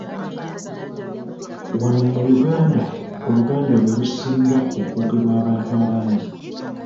Wano mu Uganda Oluganda lwe lusinga okwogerwa abantu abangi.